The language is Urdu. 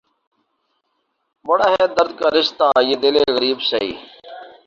بڑا ہے درد کا رشتہ یہ دل غریب سہی